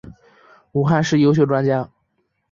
武汉市优秀专家。